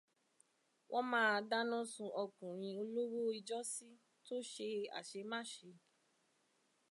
Wọ́n máa dáná sun ọkùnrin olówó ijọ́sí tó ṣe aṣemáṣe